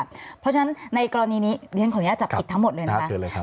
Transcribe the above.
เพราะฉะนั้นในประกอบนี้คนนี้อาจารย์จับเอกทั้งหมดเลยเนอะ